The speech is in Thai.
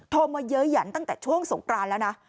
โทรมาเยอะหยันตั้งแต่ช่วงสงกรานแล้วนะ